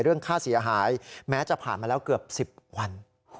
เรื่องค่าเสียหายแม้จะผ่านมาแล้วเกือบ๑๐วัน